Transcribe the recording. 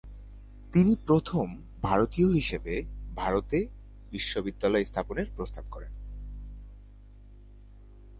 তিনি প্রথম ভারতীয় হিসেবে ভারতে বিশ্ববিদ্যালয় স্থাপনের প্রস্তাব করেন।